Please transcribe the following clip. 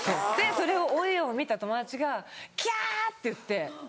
オンエアを見た友達がきゃ！って言って。